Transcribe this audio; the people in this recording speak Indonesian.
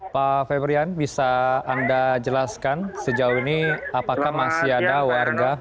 pak febrian bisa anda jelaskan sejauh ini apakah masih ada warga